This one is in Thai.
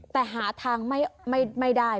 แต่หาทางไม่ได้